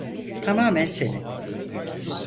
Tamamen senin.